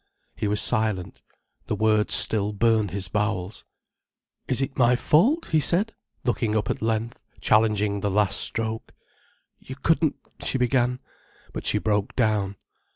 He was silent. The words still burned his bowels. "Is it my fault?" he said, looking up at length, challenging the last stroke. "You couldn't——" she began. But she broke down.